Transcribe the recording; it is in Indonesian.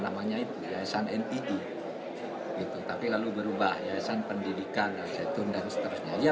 namanya itu yayasan nid gitu tapi lalu berubah yayasan pendidikan al zaitun dan seterusnya ya